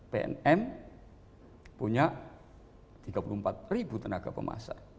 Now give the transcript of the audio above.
pnm punya tiga puluh empat ribu tenaga pemasar